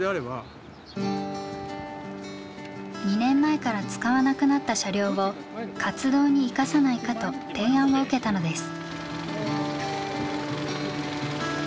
２年前から使わなくなった車両を活動に生かさないかと提案を受けたのです。